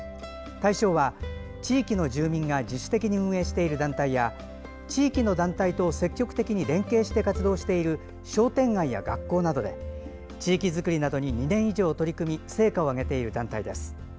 対象は、地域の住民が自主的に運営している団体や地域の団体と積極的に連携して活動している商店街や学校などで地域づくりなどに２年以上取り組み成果を上げている団体です。